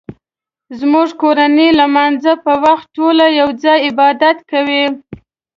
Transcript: زموږ کورنۍ د لمانځه په وخت ټول یو ځای عبادت کوي